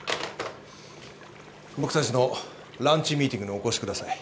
僕たちのランチミーティングにお越しください。